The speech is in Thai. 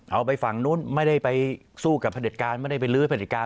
เอาไปฝั่งนู้นไม่ได้ไปสู้กับผู้จัดการไม่ได้ไปลื้อผู้จัดการ